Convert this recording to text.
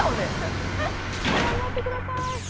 ・頑張ってください。